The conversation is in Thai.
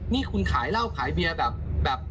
นี่คุณขายเหล้าขายเบียร์แบบ